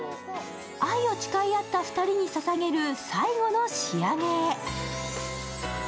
愛を誓い合った２人にささげる最後の仕上げ。